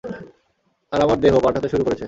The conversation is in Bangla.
আর তোমার দেহ, - পাল্টাতে শুরু করেছে।